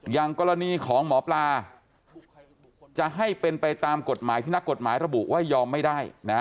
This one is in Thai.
อย่างกรณีของหมอปลาจะให้เป็นไปตามกฎหมายที่นักกฎหมายระบุว่ายอมไม่ได้นะ